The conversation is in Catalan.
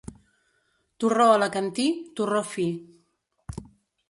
Torró alacantí, torró fi.